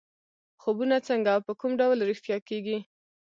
خوبونه څنګه او په کوم ډول رښتیا کېږي.